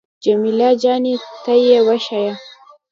جمیله جانې ته يې وښيه.